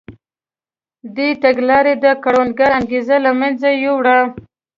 دې تګلارې د کروندګر انګېزه له منځه یووړه.